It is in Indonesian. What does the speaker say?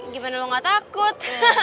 gimana lu nggak takut